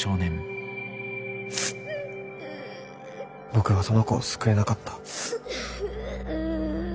僕はその子を救えなかった。